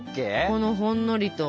このほんのりと。